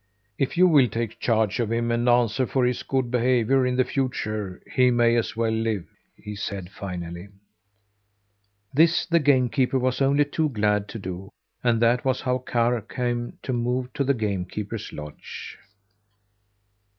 "If you will take charge of him and answer for his good behaviour in the future, he may as well live," he said, finally. This the game keeper was only too glad to do, and that was how Karr came to move to the game keeper's lodge.